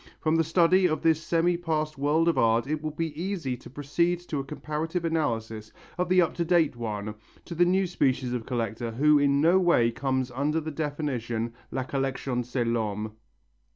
From the study of this semi past world of art it will be easy to proceed to a comparative analysis of the up to date one, to the new species of collector who in no way comes under the definition "La collection c'est l'homme."